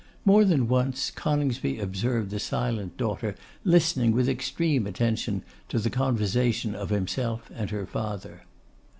More than once Coningsby observed the silent daughter listening with extreme attention to the conversation of himself and her father.